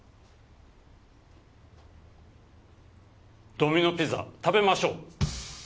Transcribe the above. ドミノピザ食べましょう。